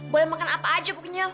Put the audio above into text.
boleh makan apa aja bukunya